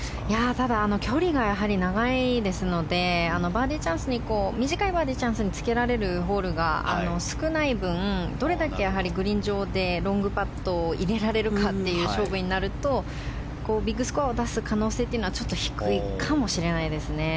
ただ距離が長いですので短いバーディーチャンスにつけられるホールが少ない分、どれだけグリーン上でロングパットを入れられるかという勝負になるとビッグスコアを出す可能性はちょっと低いかもしれないですね。